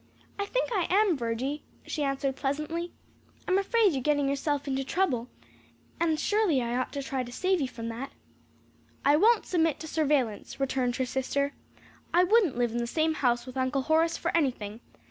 "I think I am, Virgy," she answered pleasantly, "I'm afraid you're getting yourself into trouble; and surely I ought to try to save you from that." "I won't submit to surveillance," returned her sister. "I wouldn't live in the same house with Uncle Horace for anything.